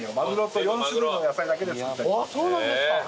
そうなんですか。